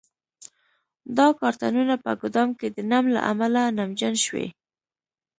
دا کارتنونه په ګدام کې د نم له امله نمجن شوي.